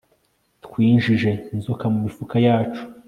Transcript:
twinjije inzoka mu mifuka yacu